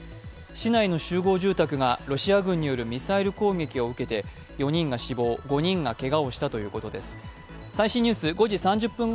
市内の集合住宅がロシア軍によるミサイル攻撃を受けて４人が死亡、５人がけがをしたということです。